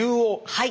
はい。